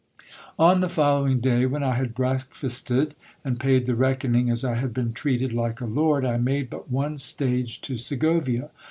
On the following day when I had breakfasted, and paid the reckoning as I had been treated, like a lord, I made but one stage to Segovia.